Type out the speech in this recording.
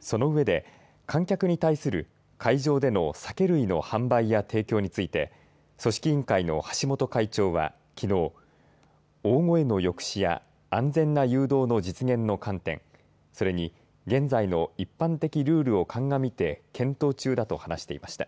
その上で観客に対する会場での酒類の販売や提供について組織委員会の橋本会長はきのう、大声の抑止や安全な誘導の実現の観点それに現在の一般的ルールをかんがみて検討中だと話していました。